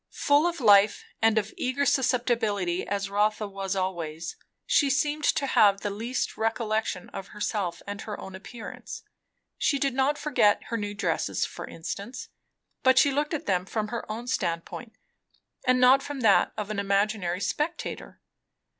Full of life and of eager susceptibility as Rotha was always, she seemed to have the least recollection of herself and her own appearance. She did not forget her new dresses, for instance, but she looked at them from her own standpoint and not from that of an imaginary spectator.